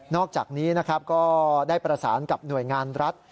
อกจากนี้นะครับก็ได้ประสานกับหน่วยงานรัฐ